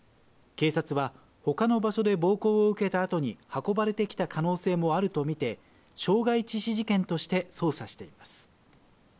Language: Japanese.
警察はほかの場所で暴行を受けたあとに運ばれてきた可能性もあると見て、傷害致死事件として捜査しています。